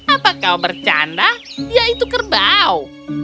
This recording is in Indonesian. apa kau bercanda dia itu kerbau